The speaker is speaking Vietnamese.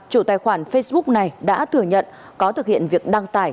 chủ tài khoản facebook này đã thừa nhận có thực hiện việc đăng tải